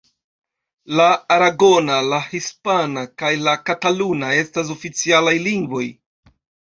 La aragona, la hispana kaj la kataluna estas oficialaj lingvoj.